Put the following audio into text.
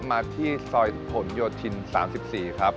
มาที่ซอยฝนโยชน์ชิน๓๔ครับ